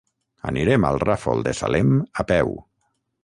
Anirem al Ràfol de Salem a peu.